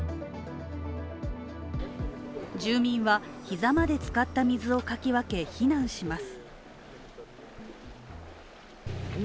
住民は膝までつかった水をかき分け避難します。